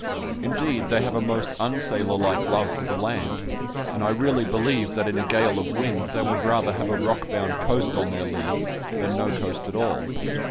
Indeed, they have a most unsailor like love for the land, and I really believe that in a gale of wind they would rather have a rock bound coast on their lee than no coast at all.